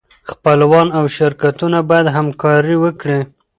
خپلوان او شرکتونه باید همکاري وکړي.